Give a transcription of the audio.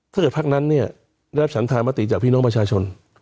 ถ้าเกิดภาคนั้นได้รับฉันทางมาตรีจากพี่น้องประชาชน